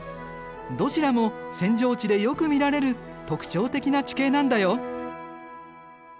どちらも扇状地でよく見られる特徴的な地形なんだよ。